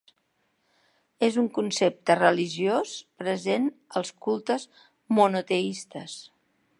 És un concepte religiós present als cultes monoteistes.